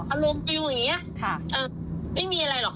อารมณ์ไปอยู่อย่างนี้ไม่มีอะไรหรอกค่ะ